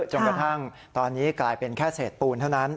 จนกระทั่งตอนนี้กลายเป็นแค่เศษปูนเท่านั้น